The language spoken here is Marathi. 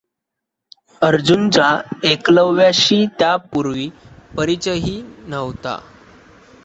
अर्जुनाचा एकलव्याशी त्यापूर्वी परिचयही नव्हता.